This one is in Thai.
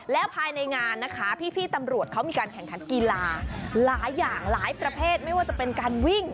และภายในงานนะคะพี่ตำรวจเขามีการแข่งขันกีฬาหลายอย่างหลายประเภทไม่ว่าจะเป็นการวิ่ง